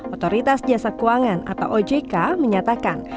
otoritas jasa keuangan atau ojk menyatakan